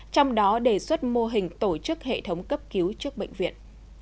trong đó đề xuất mô hình tổ chức hệ thống cấp cứu trước bệnh viện